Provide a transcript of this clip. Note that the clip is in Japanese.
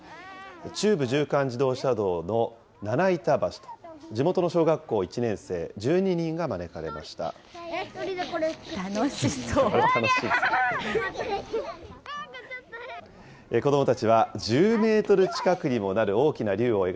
中部縦貫自動車道の七板橋と、地元の小学校１年生１２人が招かれました。